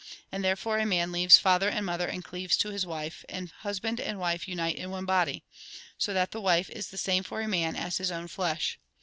And therefore a man leaves father and mother and cleaves to his wife. And husband and wife unite in one body So that the wife is the same for a man as his own flesh.